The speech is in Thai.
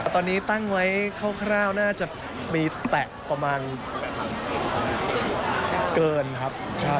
ตอนนี้ตั้งไว้คร่าวน่าจะมีแตะประมาณเกินครับ